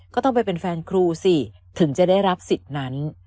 ก็ต้องไปเป็นแฟนครูสิถึงจะได้รับสิทธิ์นั้น